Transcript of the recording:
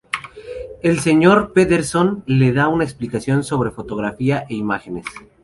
El Sr. Pederson le da una explicación sobre fotografía e imágenes.